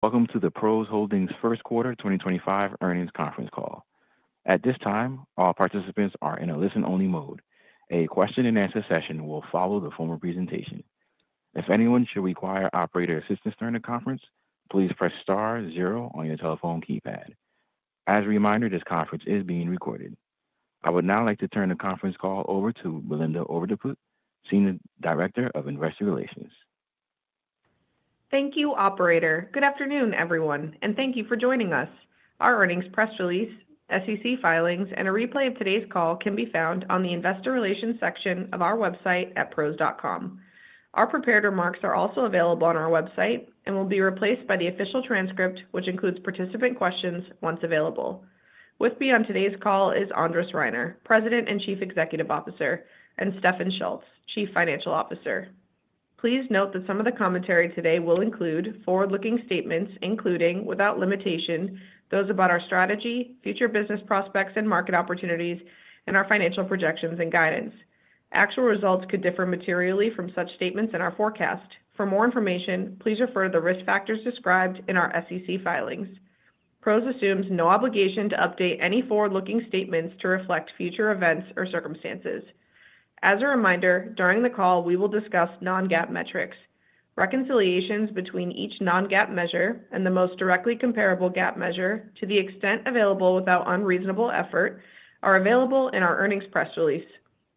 Welcome to the PROS Holdings first quarter 2025 earnings conference call. At this time, all participants are in a listen-only mode. A question-and-answer session will follow the formal presentation. If anyone should require operator assistance during the conference, please press star zero on your telephone keypad. As a reminder, this conference is being recorded. I would now like to turn the conference call over to Belinda Overdeput, Senior Director of Investor Relations. Thank you, Operator. Good afternoon, everyone, and thank you for joining us. Our earnings press release, SEC filings, and a replay of today's call can be found on the Investor Relations section of our website at PROS.com. Our prepared remarks are also available on our website and will be replaced by the official transcript, which includes participant questions once available. With me on today's call is Andres Reiner, President and Chief Executive Officer, and Stefan Schulz, Chief Financial Officer. Please note that some of the commentary today will include forward-looking statements, including without limitation, those about our strategy, future business PROSpects and market opportunities, and our financial projections and guidance. Actual results could differ materially from such statements in our forecast. For more information, please refer to the risk factors described in our SEC filings. PROS assumes no obligation to update any forward-looking statements to reflect future events or circumstances. As a reminder, during the call, we will discuss non-GAAP metrics. Reconciliations between each non-GAAP measure and the most directly comparable GAAP measure to the extent available without unreasonable effort are available in our earnings press release.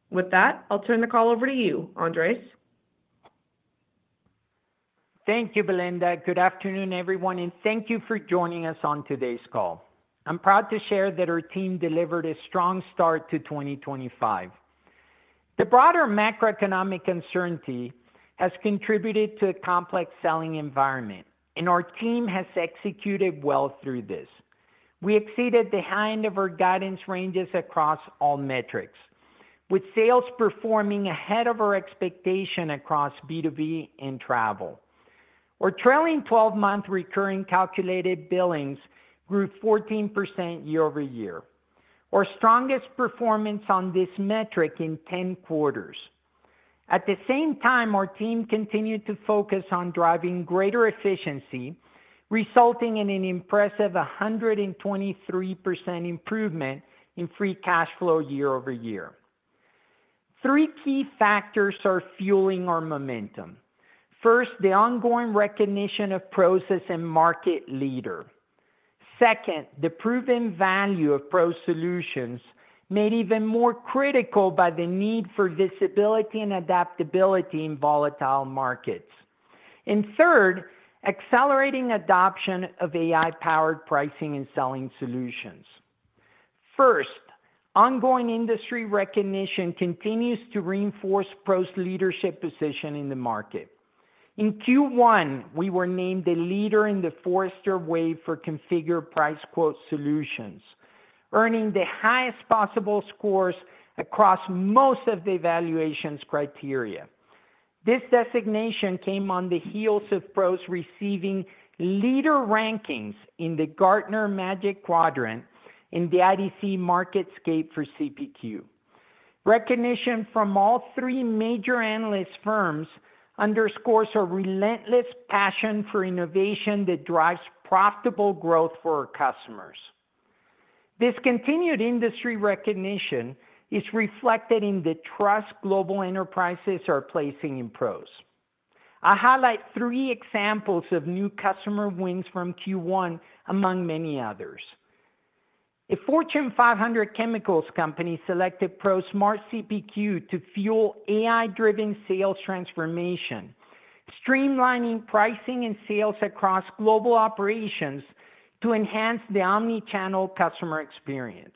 With that, I'll turn the call over to you, Andres. Thank you, Belinda. Good afternoon, everyone, and thank you for joining us on today's call. I'm proud to share that our team delivered a strong start to 2025. The broader macroeconomic uncertainty has contributed to a complex selling environment, and our team has executed well through this. We exceeded the high end of our guidance ranges across all metrics, with sales performing ahead of our expectation across B2B and travel. Our trailing 12-month recurring calculated billings grew 14% year-over-year, our strongest performance on this metric in 10 quarters. At the same time, our team continued to focus on driving greater efficiency, resulting in an impressive 123% improvement in free cash flow year-over-year. Three key factors are fueling our momentum. First, the ongoing recognition of PROS as a market leader. Second, the proven value of PROS solutions made even more critical by the need for visibility and adaptability in volatile markets. Third, accelerating adoption of AI-powered pricing and selling solutions. First, ongoing industry recognition continues to reinforce PROS' leadership position in the market. In Q1, we were named a leader in the Forrester Wave for configured price quote solutions, earning the highest possible scores across most of the evaluation criteria. This designation came on the heels of PROS receiving leader rankings in the Gartner Magic Quadrant and the IDC MarketScape for CPQ. Recognition from all three major analyst firms underscores our relentless passion for innovation that drives profitable growth for our customers. This continued industry recognition is reflected in the trust global enterprises are placing in PROS. I highlight three examples of new customer wins from Q1, among many others. A Fortune 500 chemicals company selected PROS Smart CPQ to fuel AI-driven sales transformation, streamlining pricing and sales across global operations to enhance the omnichannel customer experience.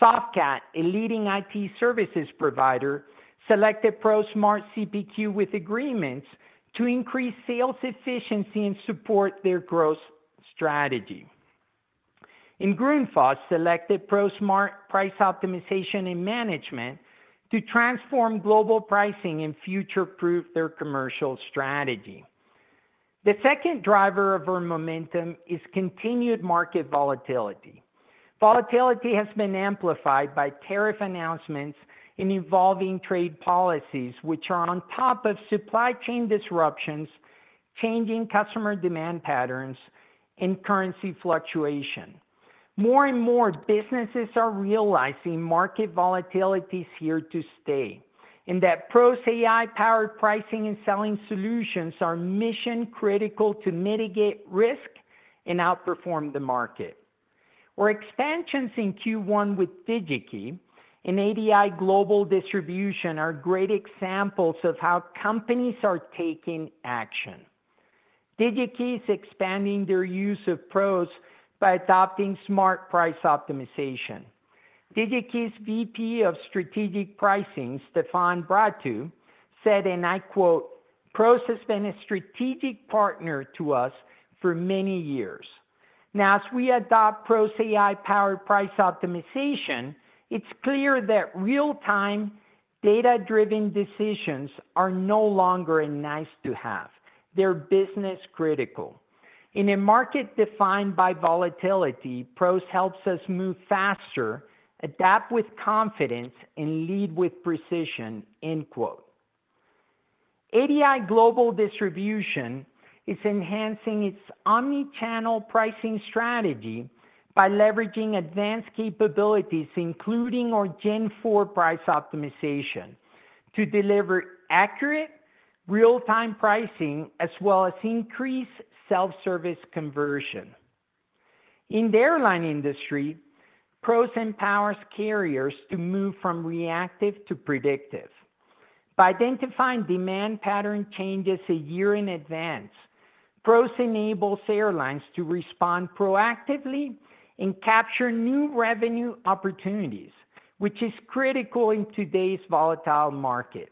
Softcat, a leading IT services provider, selected PROS Smart CPQ with agreements to increase sales efficiency and support their growth strategy. Grundfos selected PROS Smart Price Optimization and Management to transform global pricing and future-proof their commercial strategy. The second driver of our momentum is continued market volatility. Volatility has been amplified by tariff announcements and evolving trade policies, which are on top of supply chain disruptions, changing customer demand patterns, and currency fluctuation. More and more businesses are realizing market volatility is here to stay, and that PROS' AI-powered pricing and selling solutions are mission-critical to mitigate risk and outperform the market. Our expansions in Q1 with Digi-Key and ADI Global Distribution are great examples of how companies are taking action. Digi-Key is expanding their use of PROS by adopting Smart Price Optimization. Digi-Key's VP of Strategic Pricing, Stephane Bratu, said, and I quote, "PROS has been a strategic partner to us for many years. Now, as we adopt PROS' AI-powered price optimization, it's clear that real-time data-driven decisions are no longer a nice-to-have. They're business-critical. In a market defined by volatility, PROS helps us move faster, adapt with confidence, and lead with precision." ADI Global Distribution is enhancing its omnichannel pricing strategy by leveraging advanced capabilities, including our Gen IV Price Optimization, to deliver accurate real-time pricing as well as increased self-service conversion. In the airline industry, PROS empowers carriers to move from reactive to predictive. By identifying demand pattern changes a year in advance, PROS enables airlines to respond proactively and capture new revenue opportunities, which is critical in today's volatile market.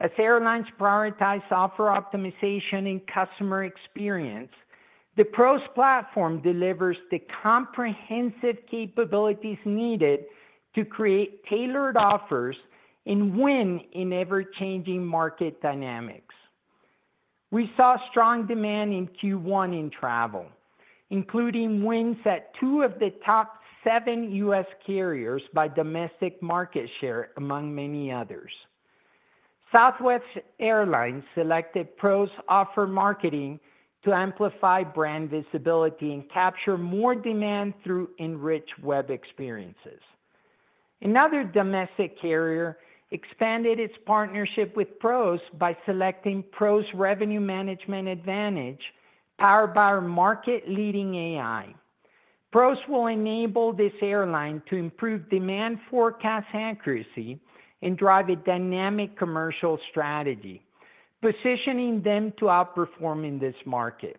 As airlines prioritize offer optimization and customer experience, the PROS platform delivers the comprehensive capabilities needed to create tailored offers and win in ever-changing market dynamics. We saw strong demand in Q1 in travel, including wins at two of the top seven U.S. carriers by domestic market share, among many others. Southwest Airlines selected PROS Offer Marketing to amplify brand visibility and capture more demand through enriched web experiences. Another domestic carrier expanded its partnership with PROS by selecting PROS Revenue Management Advantage, powered by our market-leading AI. PROS will enable this airline to improve demand forecast accuracy and drive a dynamic commercial strategy, positioning them to outperform in this market.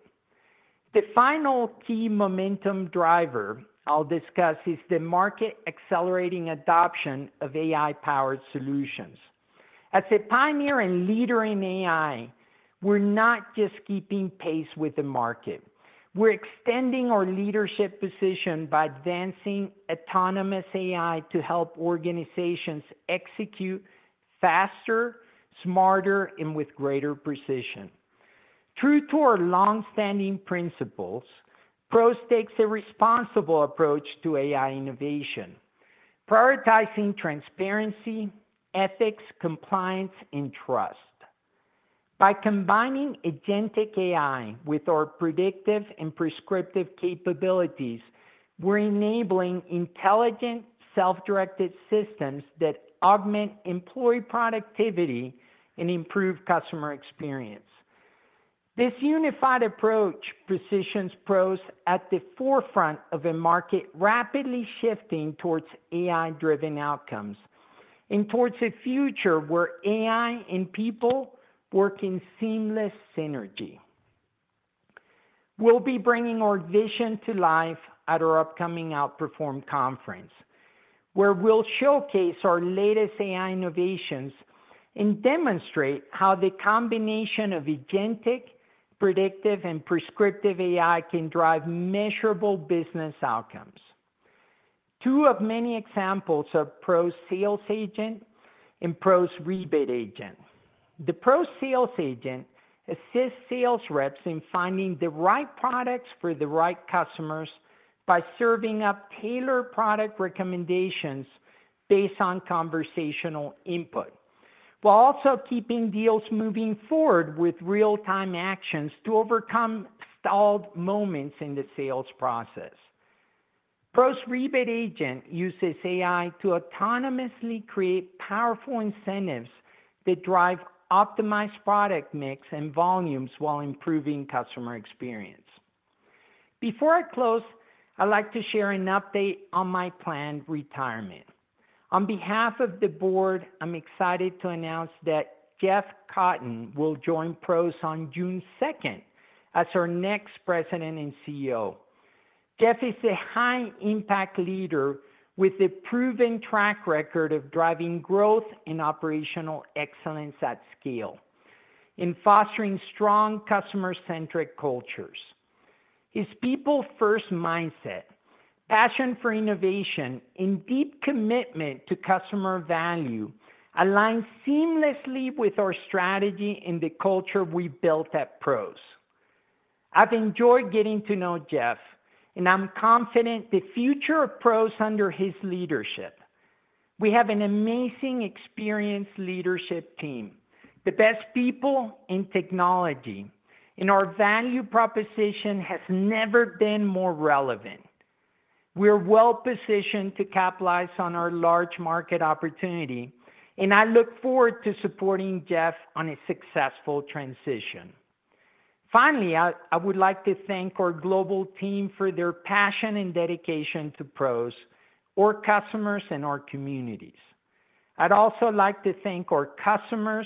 The final key momentum driver I'll discuss is the market accelerating adoption of AI-powered solutions. As a pioneer and leader in AI, we're not just keeping pace with the market. We're extending our leadership position by advancing autonomous AI to help organizations execute faster, smarter, and with greater precision. True to our long-standing principles, PROS takes a responsible approach to AI innovation, prioritizing transparency, ethics, compliance, and trust. By combining agentic AI with our predictive and prescriptive capabilities, we're enabling intelligent self-directed systems that augment employee productivity and improve customer experience. This unified approach positions PROS at the forefront of a market rapidly shifting towards AI-driven outcomes and towards a future where AI and people work in seamless synergy. We'll be bringing our vision to life at our upcoming Outperform Conference, where we'll showcase our latest AI innovations and demonstrate how the combination of agentic, predictive, and prescriptive AI can drive measurable business outcomes. Two of many examples are PROS Sales Agent and PROS Rebate Agent. The PROS Sales Agent assists sales reps in finding the right products for the right customers by serving up tailored product recommendations based on conversational input, while also keeping deals moving forward with real-time actions to overcome stalled moments in the sales process. PROS Rebate Agent uses AI to autonomously create powerful incentives that drive optimized product mix and volumes while improving customer experience. Before I close, I'd like to share an update on my planned retirement. On behalf of the board, I'm excited to announce that Jeff Cotten will join PROS on June 2nd as our next President and CEO. Jeff is a high-impact leader with a proven track record of driving growth and operational excellence at scale and fostering strong customer-centric cultures. His people-first mindset, passion for innovation, and deep commitment to customer value align seamlessly with our strategy and the culture we've built at PROS. I've enjoyed getting to know Jeff, and I'm confident the future of PROS under his leadership. We have an amazing experienced leadership team, the best people in technology, and our value proposition has never been more relevant. We're well-positioned to capitalize on our large market opportunity, and I look forward to supporting Jeff on a successful transition. Finally, I would like to thank our global team for their passion and dedication to PROS, our customers, and our communities. I'd also like to thank our customers,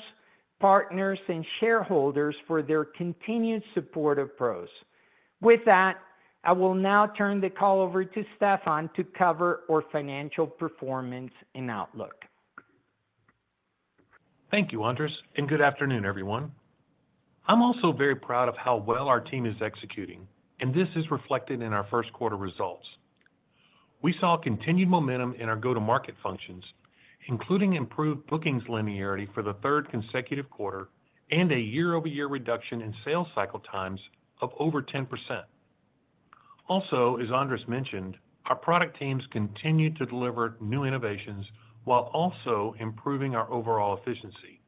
partners, and shareholders for their continued support of PROS. With that, I will now turn the call over to Stefan to cover our financial performance and outlook. Thank you, Andres, and good afternoon, everyone. I'm also very proud of how well our team is executing, and this is reflected in our first quarter results. We saw continued momentum in our go-to-market functions, including improved bookings linearity for the third consecutive quarter and a year-over-year reduction in sales cycle times of over 10%. Also, as Andres mentioned, our product teams continue to deliver new innovations while also improving our overall efficiency.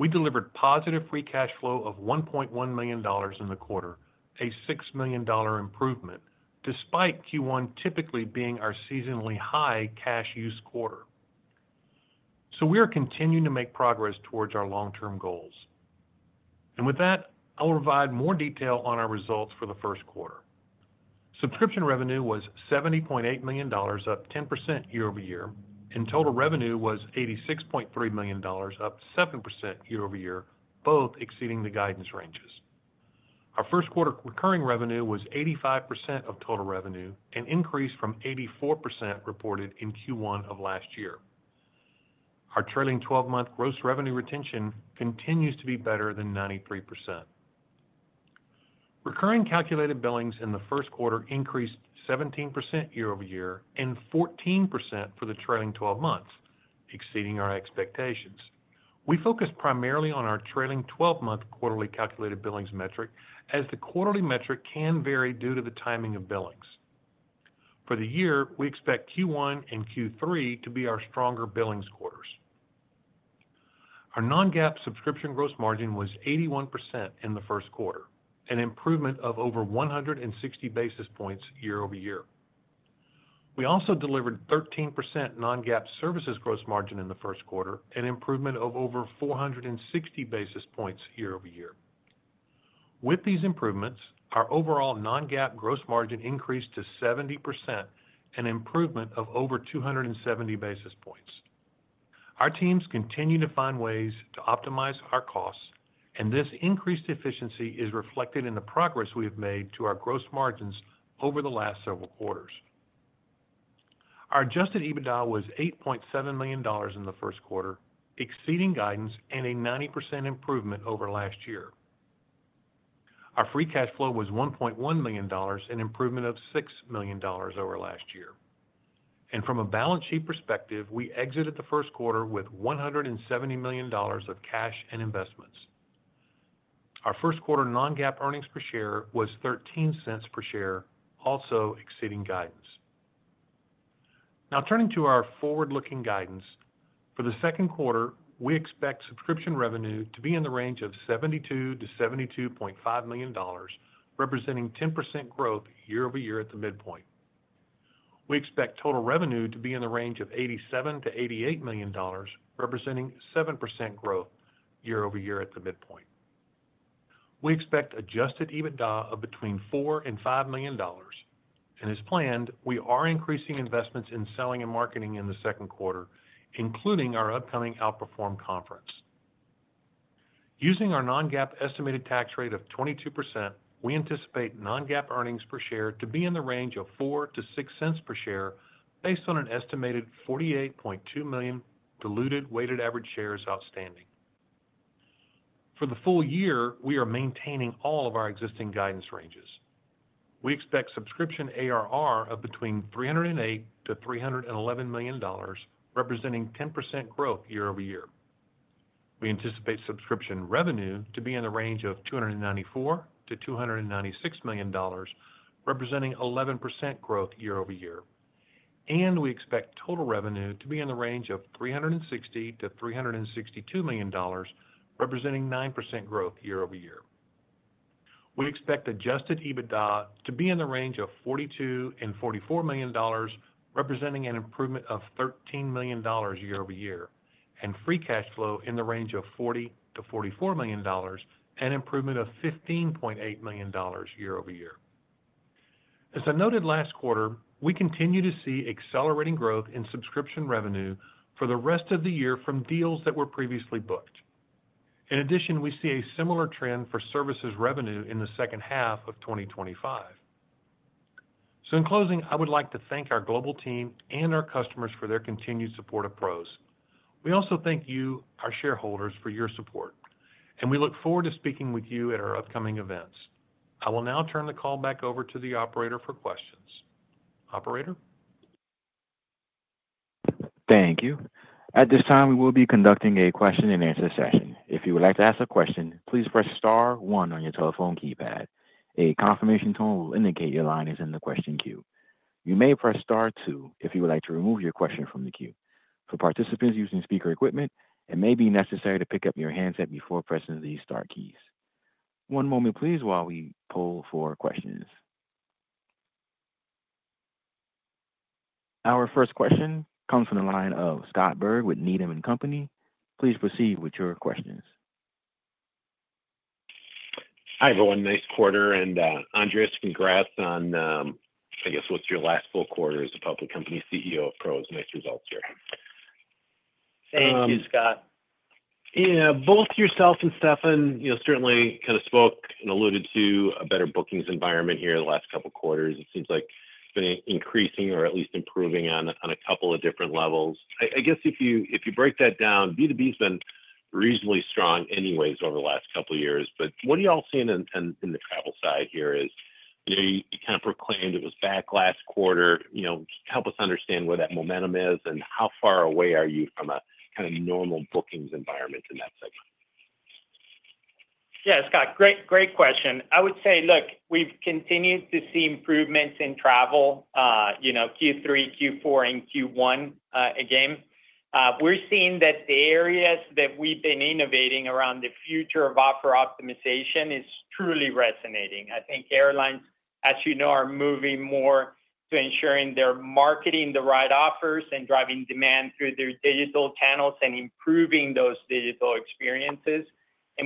We delivered positive free cash flow of $1.1 million in the quarter, a $6 million improvement, despite Q1 typically being our seasonally high cash use quarter. We are continuing to make progress towards our long-term goals. With that, I'll provide more detail on our results for the first quarter. Subscription revenue was $70.8 million, up 10% year-over-year, and total revenue was $86.3 million, up 7% year-over-year, both exceeding the guidance ranges. Our first quarter recurring revenue was 85% of total revenue, an increase from 84% reported in Q1 of last year. Our trailing 12-month gross revenue retention continues to be better than 93%. Recurring calculated billings in the first quarter increased 17% year-over-year and 14% for the trailing 12 months, exceeding our expectations. We focus primarily on our trailing 12-month quarterly calculated billings metric, as the quarterly metric can vary due to the timing of billings. For the year, we expect Q1 and Q3 to be our stronger billings quarters. Our non-GAAP subscription gross margin was 81% in the first quarter, an improvement of over 160 basis points year-over-year. We also delivered 13% non-GAAP services gross margin in the first quarter, an improvement of over 460 basis points year-over-year. With these improvements, our overall non-GAAP gross margin increased to 70%, an improvement of over 270 basis points. Our teams continue to find ways to optimize our costs, and this increased efficiency is reflected in the progress we have made to our gross margins over the last several quarters. Our adjusted EBITDA was $8.7 million in the first quarter, exceeding guidance and a 90% improvement over last year. Our free cash flow was $1.1 million, an improvement of $6 million over last year. From a balance sheet perspective, we exited the first quarter with $170 million of cash and investments. Our first quarter non-GAAP earnings per share was $0.13 per share, also exceeding guidance. Now, turning to our forward-looking guidance, for the second quarter, we expect subscription revenue to be in the range of $72 million-$72.5 million, representing 10% growth year-over-year at the midpoint. We expect total revenue to be in the range of $87 million-$88 million, representing 7% growth year-over-year at the midpoint. We expect adjusted EBITDA of between $4 million and $5 million. As planned, we are increasing investments in selling and marketing in the second quarter, including our upcoming Outperform Conference. Using our non-GAAP estimated tax rate of 22%, we anticipate non-GAAP earnings per share to be in the range of $0.04-$0.06 per share based on an estimated 48.2 million diluted weighted average shares outstanding. For the full year, we are maintaining all of our existing guidance ranges. We expect subscription ARR of between $308 million-$311 million, representing 10% growth year-over-year. We anticipate subscription revenue to be in the range of $294 million-$296 million, representing 11% growth year-over-year. We expect total revenue to be in the range of $360 million-$362 million, representing 9% growth year-over-year. We expect adjusted EBITDA to be in the range of $42-$44 million, representing an improvement of $13 million year-over-year, and free cash flow in the range of $40-$44 million, an improvement of $15.8 million year-over-year. As I noted last quarter, we continue to see accelerating growth in subscription revenue for the rest of the year from deals that were previously booked. In addition, we see a similar trend for services revenue in the second half of 2025. In closing, I would like to thank our global team and our customers for their continued support of PROS. We also thank you, our shareholders, for your support, and we look forward to speaking with you at our upcoming events. I will now turn the call back over to the operator for questions. Operator. Thank you. At this time, we will be conducting a question-and-answer session. If you would like to ask a question, please press Star 1 on your telephone keypad. A confirmation tone will indicate your line is in the question queue. You may press Star 2 if you would like to remove your question from the queue. For participants using speaker equipment, it may be necessary to pick up your handset before pressing these star keys. One moment, please, while we pull for questions. Our first question comes from the line of Scott Berg with Needham & Company. Please proceed with your questions. Hi, everyone. Nice quarter. Andres, congrats on, I guess, what's your last full quarter as a public company CEO of PROS. Nice results here. Thank you, Scott. Yeah. Both yourself and Stefan certainly kind of spoke and alluded to a better bookings environment here the last couple of quarters. It seems like it's been increasing or at least improving on a couple of different levels. I guess if you break that down, B2B has been reasonably strong anyways over the last couple of years. What are you all seeing in the travel side here as you kind of proclaimed it was back last quarter? Help us understand where that momentum is and how far away are you from a kind of normal bookings environment in that segment. Yeah, Scott, great question. I would say, look, we've continued to see improvements in travel, Q3, Q4, and Q1 again. We're seeing that the areas that we've been innovating around the future of offer optimization is truly resonating. I think airlines, as you know, are moving more to ensuring they're marketing the right offers and driving demand through their digital channels and improving those digital experiences.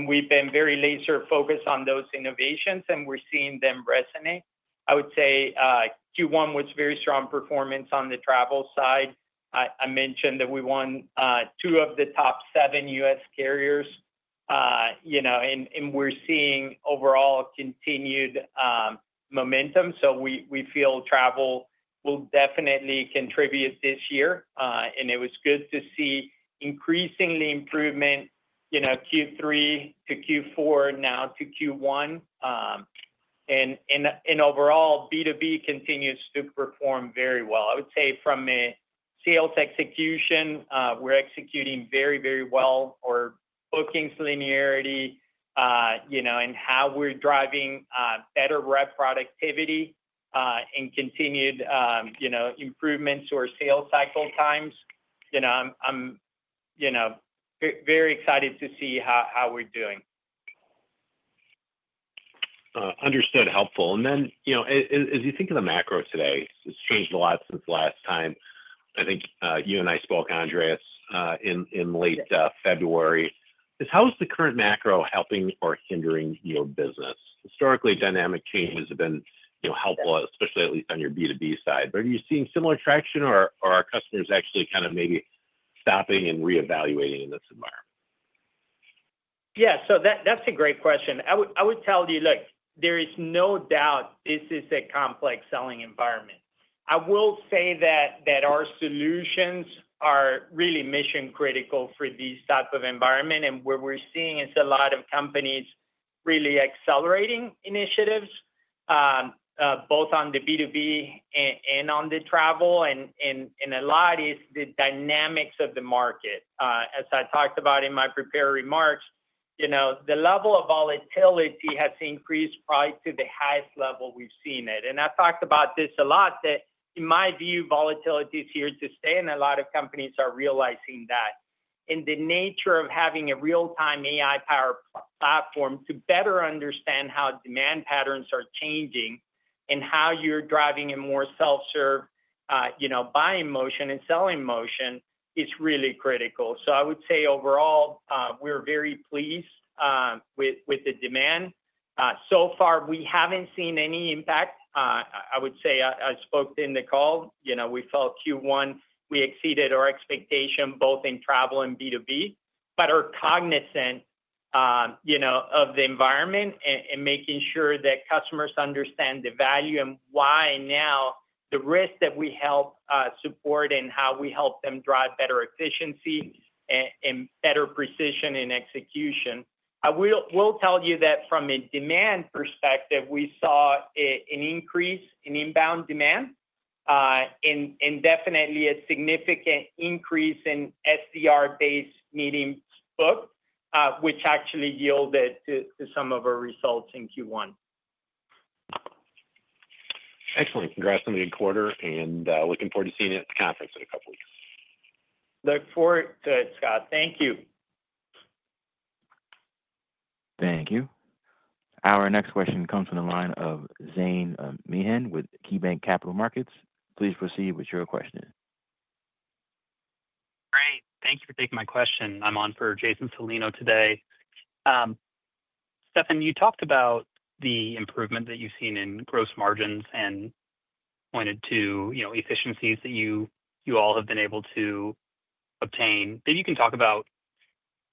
We've been very laser-focused on those innovations, and we're seeing them resonate. I would say Q1 was very strong performance on the travel side. I mentioned that we won two of the top seven US carriers, and we're seeing overall continued momentum. We feel travel will definitely contribute this year. It was good to see increasingly improvement Q3 to Q4, now to Q1. Overall, B2B continues to perform very well. I would say from a sales execution, we're executing very, very well, our bookings linearity and how we're driving better rep productivity and continued improvements to our sales cycle times. I'm very excited to see how we're doing. Understood. Helpful. As you think of the macro today, it's changed a lot since last time. I think you and I spoke, Andres, in late February. How is the current macro helping or hindering your business? Historically, dynamic changes have been helpful, especially at least on your B2B side. Are you seeing similar traction, or are customers actually kind of maybe stopping and reevaluating in this environment? Yeah. That's a great question. I would tell you, look, there is no doubt this is a complex selling environment. I will say that our solutions are really mission-critical for these types of environments. What we're seeing is a lot of companies really accelerating initiatives, both on the B2B and on the travel. A lot is the dynamics of the market. As I talked about in my prepared remarks, the level of volatility has increased right to the highest level we've seen it. I talked about this a lot, that in my view, volatility is here to stay, and a lot of companies are realizing that. The nature of having a real-time AI-powered platform to better understand how demand patterns are changing and how you're driving a more self-serve buying motion and selling motion is really critical. I would say overall, we're very pleased with the demand. So far, we haven't seen any impact. I would say I spoke in the call. We felt Q1, we exceeded our expectation both in travel and B2B, but are cognizant of the environment and making sure that customers understand the value and why now the risk that we help support and how we help them drive better efficiency and better precision in execution. I will tell you that from a demand perspective, we saw an increase in inbound demand and definitely a significant increase in SDR-based meetings booked, which actually yielded to some of our results in Q1. Excellent. Congrats on the quarter, and looking forward to seeing it at the conference in a couple of weeks. Look forward to it, Scott. Thank you. Thank you. Our next question comes from the line of Zane Meehan with KeyBanc Capital Markets. Please proceed with your question. Great. Thank you for taking my question. I'm on for Jason Salino today. Stefan, you talked about the improvement that you've seen in gross margins and pointed to efficiencies that you all have been able to obtain. Maybe you can talk about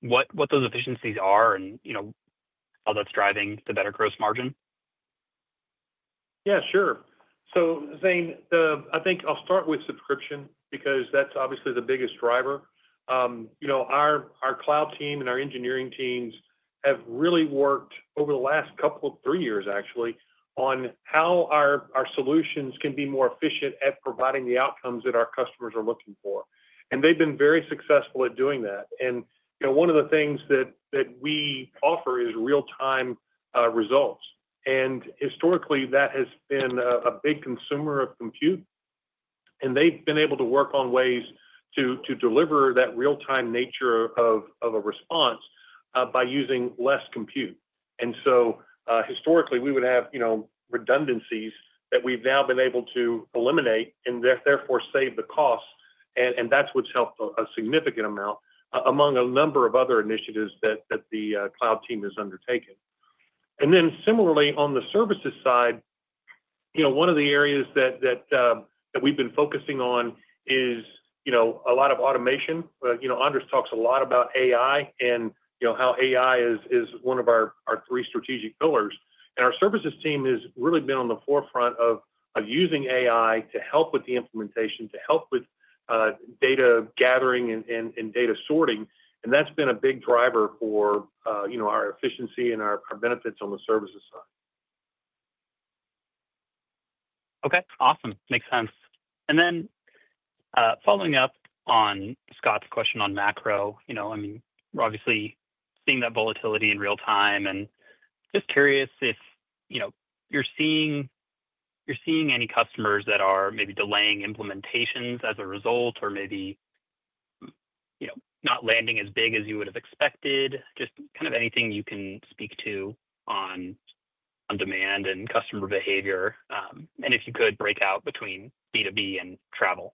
what those efficiencies are and how that's driving the better gross margin. Yeah, sure. Zane, I think I'll start with subscription because that's obviously the biggest driver. Our cloud team and our engineering teams have really worked over the last couple of three years, actually, on how our solutions can be more efficient at providing the outcomes that our customers are looking for. They've been very successful at doing that. One of the things that we offer is real-time results. Historically, that has been a big consumer of compute. They've been able to work on ways to deliver that real-time nature of a response by using less compute. Historically, we would have redundancies that we've now been able to eliminate and therefore save the cost. That's what's helped a significant amount among a number of other initiatives that the cloud team has undertaken. Similarly, on the services side, one of the areas that we've been focusing on is a lot of automation. Andres talks a lot about AI and how AI is one of our three strategic pillars. Our services team has really been on the forefront of using AI to help with the implementation, to help with data gathering and data sorting. That's been a big driver for our efficiency and our benefits on the services side. Okay. Awesome. Makes sense. Following up on Scott's question on macro, I mean, obviously seeing that volatility in real time, and just curious if you're seeing any customers that are maybe delaying implementations as a result or maybe not landing as big as you would have expected, just kind of anything you can speak to on demand and customer behavior. If you could break out between B2B and travel.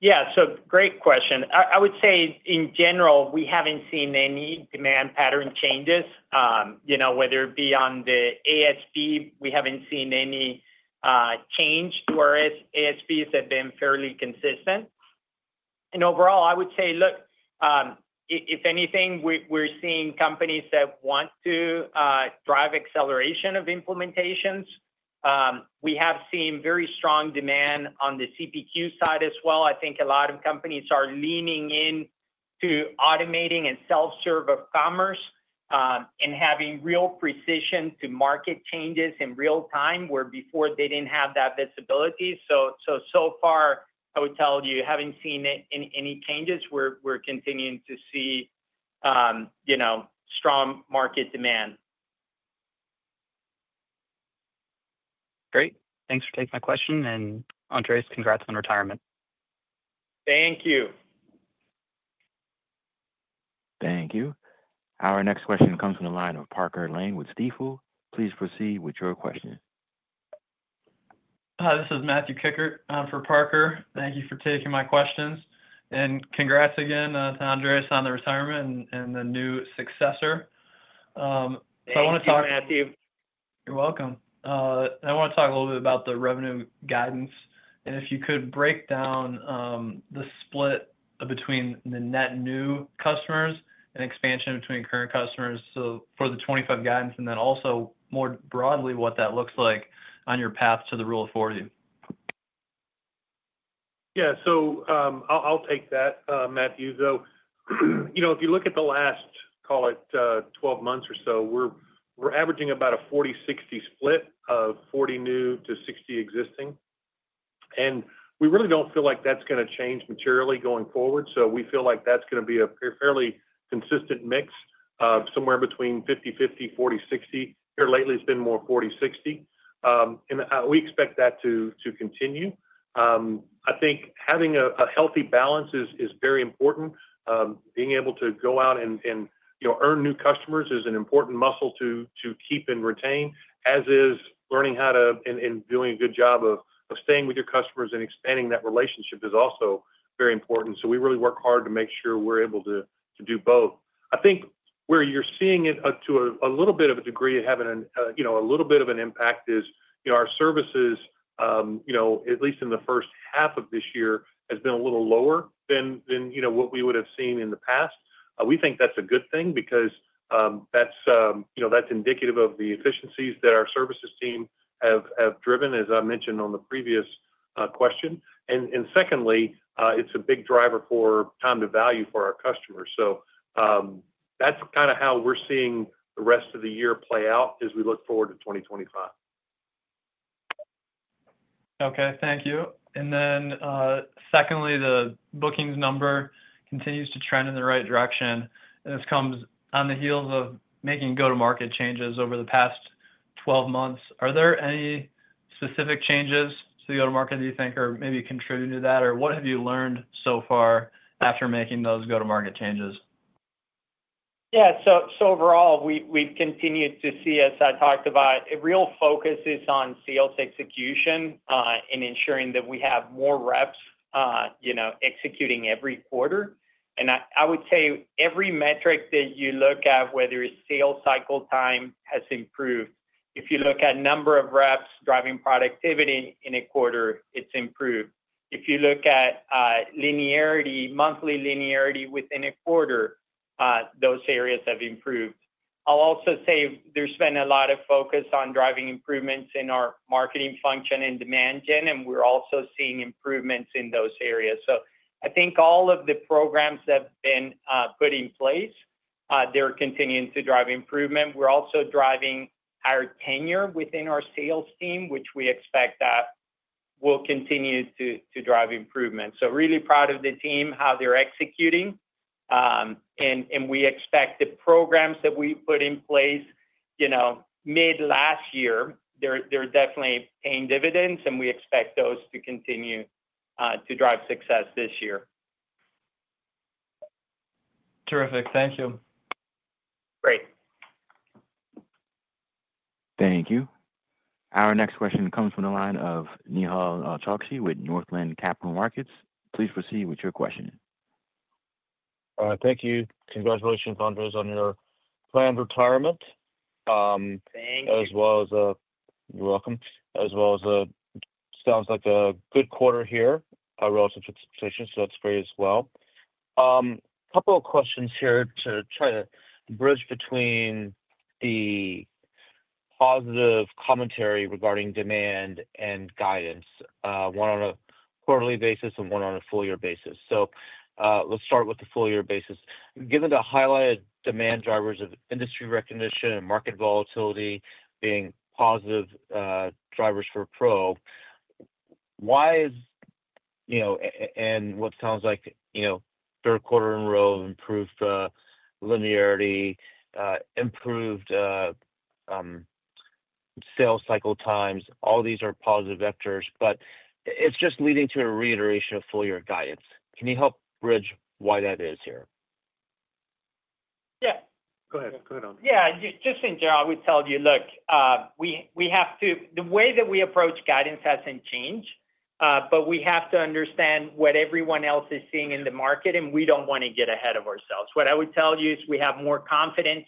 Yeah. Great question. I would say in general, we haven't seen any demand pattern changes. Whether it be on the ASB, we haven't seen any change, whereas ASBs have been fairly consistent. Overall, I would say, look, if anything, we're seeing companies that want to drive acceleration of implementations. We have seen very strong demand on the CPQ side as well. I think a lot of companies are leaning into automating and self-serve of commerce and having real precision to market changes in real time, where before they didn't have that visibility. So far, I would tell you, haven't seen any changes. We're continuing to see strong market demand. Great. Thanks for taking my question. Andres, congrats on retirement. Thank you. Thank you. Our next question comes from the line of Parker Lane with Stifel. Please proceed with your question. Hi, this is Matthew Kickert for Parker. Thank you for taking my questions. Congrats again to Andres on the retirement and the new successor. I want to talk. Thank you, Matthew. You're welcome. I want to talk a little bit about the revenue guidance. If you could break down the split between the net new customers and expansion between current customers for the 2025 guidance, and then also more broadly what that looks like on your path to the rule of 40. Yeah. I'll take that, Matthew. If you look at the last, call it, 12 months or so, we're averaging about a 40/60 split of 40 new to 60 existing. We really don't feel like that's going to change materially going forward. We feel like that's going to be a fairly consistent mix somewhere between 50/50, 40/60. Here lately, it's been more 40/60. We expect that to continue. I think having a healthy balance is very important. Being able to go out and earn new customers is an important muscle to keep and retain, as is learning how to and doing a good job of staying with your customers and expanding that relationship is also very important. We really work hard to make sure we're able to do both. I think where you're seeing it to a little bit of a degree of having a little bit of an impact is our services, at least in the first half of this year, have been a little lower than what we would have seen in the past. We think that's a good thing because that's indicative of the efficiencies that our services team have driven, as I mentioned on the previous question. It is a big driver for time to value for our customers. That's kind of how we're seeing the rest of the year play out as we look forward to 2025. Okay. Thank you. Secondly, the bookings number continues to trend in the right direction. This comes on the heels of making go-to-market changes over the past 12 months. Are there any specific changes to the go-to-market that you think are maybe contributing to that? What have you learned so far after making those go-to-market changes? Yeah. Overall, we've continued to see, as I talked about, a real focus is on sales execution and ensuring that we have more reps executing every quarter. I would say every metric that you look at, whether it's sales cycle time, has improved. If you look at number of reps driving productivity in a quarter, it's improved. If you look at linearity, monthly linearity within a quarter, those areas have improved. I'll also say there's been a lot of focus on driving improvements in our marketing function and demand gen, and we're also seeing improvements in those areas. I think all of the programs that have been put in place, they're continuing to drive improvement. We're also driving higher tenure within our sales team, which we expect will continue to drive improvement. Really proud of the team, how they're executing. We expect the programs that we put in place mid-last year are definitely paying dividends, and we expect those to continue to drive success this year. Terrific. Thank you. Great. Thank you. Our next question comes from the line of Nehal Chokshi with Northland Capital Markets. Please proceed with your question. Thank you. Congratulations, Andres, on your planned retirement. Thank you. You're welcome. As well as, it sounds like a good quarter here, relative to expectations, so that's great as well. A couple of questions here to try to bridge between the positive commentary regarding demand and guidance, one on a quarterly basis and one on a full-year basis. Let's start with the full-year basis. Given the highlighted demand drivers of industry recognition and market volatility being positive drivers for PROS, why is, and what sounds like, third quarter in a row of improved linearity, improved sales cycle times, all these are positive vectors, but it's just leading to a reiteration of full-year guidance. Can you help bridge why that is here? Yeah. Go ahead. Go ahead, Andres. Yeah. Just in general, I would tell you, look, the way that we approach guidance hasn't changed, but we have to understand what everyone else is seeing in the market, and we don't want to get ahead of ourselves. What I would tell you is we have more confidence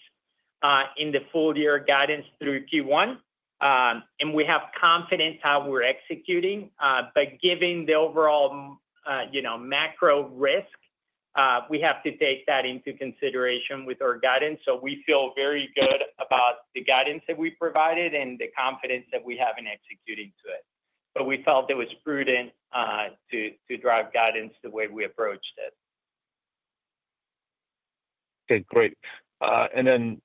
in the full-year guidance through Q1, and we have confidence how we're executing. Given the overall macro risk, we have to take that into consideration with our guidance. We feel very good about the guidance that we provided and the confidence that we have in executing to it. We felt it was prudent to drive guidance the way we approached it. Okay. Great. Then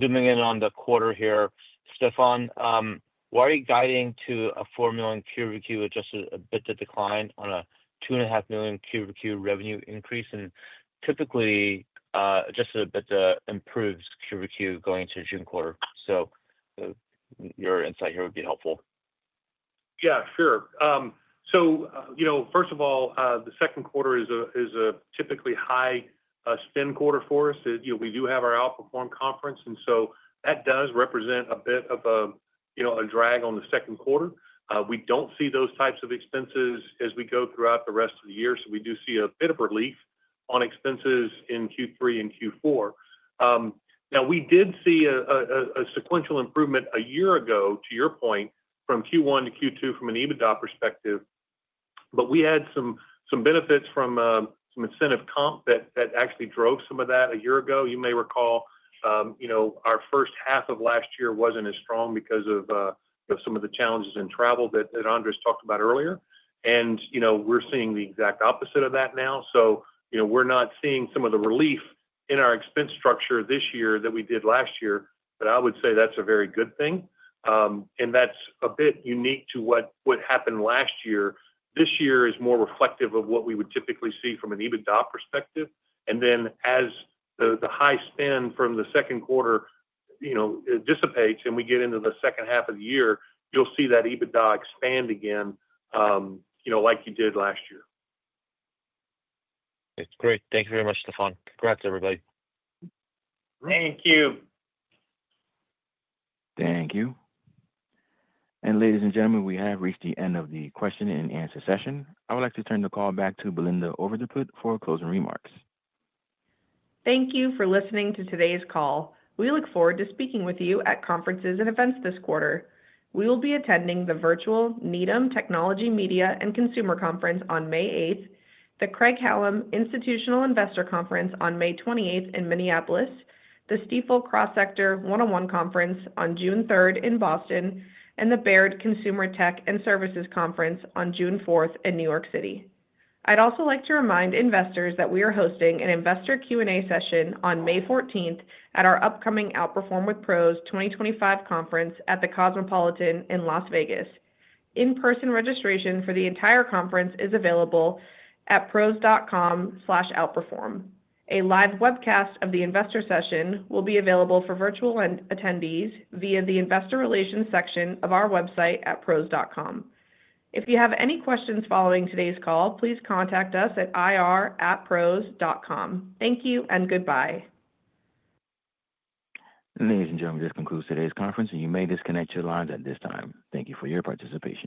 zooming in on the quarter here, Stefan, why are you guiding to a $4 million Q to Q with just a bit of decline on a $2.5 million Q to Q revenue increase? Typically, just a bit improves Q to Q going into the June quarter. Your insight here would be helpful. Yeah, sure. First of all, the second quarter is a typically high-spend quarter for us. We do have our Outperform conference, and that does represent a bit of a drag on the second quarter. We do not see those types of expenses as we go throughout the rest of the year. We do see a bit of relief on expenses in Q3 and Q4. We did see a sequential improvement a year ago, to your point, from Q1 to Q2 from an EBITDA perspective. We had some benefits from some incentive comp that actually drove some of that a year ago. You may recall our first half of last year was not as strong because of some of the challenges in travel that Andres talked about earlier. We are seeing the exact opposite of that now. We're not seeing some of the relief in our expense structure this year that we did last year, but I would say that's a very good thing. That's a bit unique to what happened last year. This year is more reflective of what we would typically see from an EBITDA perspective. As the high spend from the second quarter dissipates and we get into the second half of the year, you'll see that EBITDA expand again like you did last year. That's great. Thank you very much, Stefan. Congrats, everybody. Thank you. Thank you. Ladies and gentlemen, we have reached the end of the question and answer session. I would like to turn the call back to Belinda Overdeput for closing remarks. Thank you for listening to today's call. We look forward to speaking with you at conferences and events this quarter. We will be attending the virtual Needham Technology Media and Consumer Conference on May 8th, the Craig Hallum Institutional Investor Conference on May 28th in Minneapolis, the Stifel Cross-Sector 101 Conference on June 3rd in Boston, and the Baird Consumer Tech and Services Conference on June 4th in New York City. I'd also like to remind investors that we are hosting an investor Q&A session on May 14th at our upcoming Outperform with PROS 2025 conference at the Cosmopolitan in Las Vegas. In-person registration for the entire conference is available at PROS.com/outperform. A live webcast of the investor session will be available for virtual attendees via the investor relations section of our website at PROS.com. If you have any questions following today's call, please contact us at ir@PROS.com. Thank you and goodbye. Ladies and gentlemen, this concludes today's conference, and you may disconnect your lines at this time. Thank you for your participation.